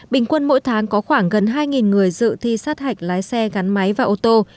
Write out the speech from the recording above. bình quân mỗi tháng có khoảng gần hai người dự thi sát hạch lái xe gắn máy và ô tô